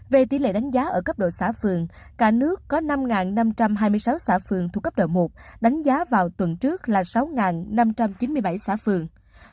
về tỷ lệ đánh giá ở cấp độ xã phường cả nước có năm năm trăm hai mươi sáu xã phường thuộc cấp độ một đánh giá vào tuần trước là sáu năm trăm chín mươi bảy xã phường